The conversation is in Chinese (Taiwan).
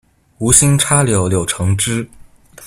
無心插柳柳橙汁